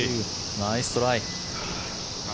ナイストライ。